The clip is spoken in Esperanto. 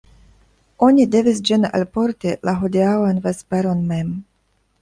Oni devis ĝin alporti la hodiaŭan vesperon mem.